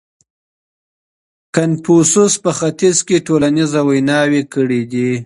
کنفوسوس په ختیځ کي ټولنیزې ویناوې کړې دي.